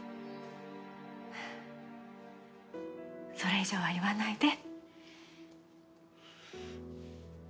それ以上は言わないで。